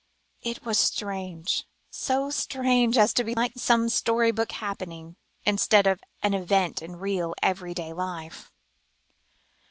It was strange, so strange as to be like some story book happening, instead of an event in real, everyday life!